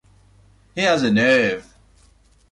He has a nerve.